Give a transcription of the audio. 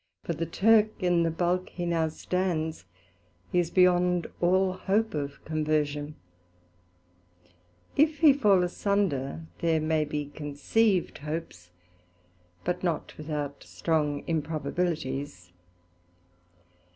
For the Turk, in the bulk he now stands, he is beyond all hope of conversion; if he fall asunder, there may be conceived hopes, but not without strong improbabilities.